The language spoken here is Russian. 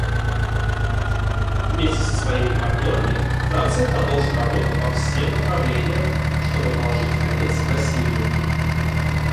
Вместе со своими партнерами Франция продолжит работу по всем направлениям, чтобы положить конец насилию.